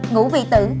ngủ vì tử